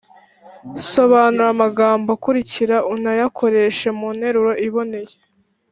sobanura amagambo akurikira unayakoreshe mu nteruro iboneye.